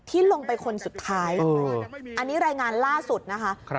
ที่ลงไปคนสุดท้ายอันนี้รายงานล่าสุดนะคะ